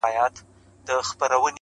سپوږمۍ مو لاري څاري پیغامونه تښتوي؛